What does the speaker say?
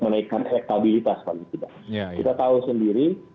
menaikkan elektabilitas paling tidak kita tahu sendiri